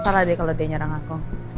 salah deh kalau dia nyerang aku